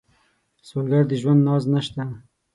سوالګر د ژوند ناز نشته